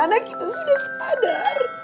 anak kita sudah sadar